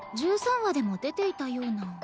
１３話でも出ていたような。